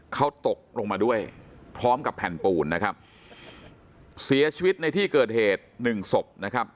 เขาตกลงมาด้วยพร้อมกับแผ่นปูนนะครับเสียชีวิตในที่เกิดเหตุหนึ่งศพนะครับ